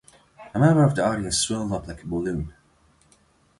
A member of the audience swelled up like a balloon.